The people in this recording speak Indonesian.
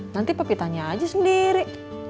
nanti papi tanya aja sendiri